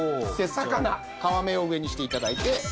魚皮目を上にして頂いて。